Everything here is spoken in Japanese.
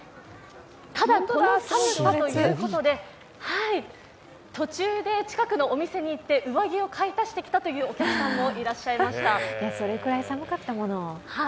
ただ、この寒さということで途中で近くのお店に行って上着を買い足してきたというお客さんもいらっしゃいました。